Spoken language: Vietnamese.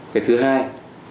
cái thứ hai là các phương tiện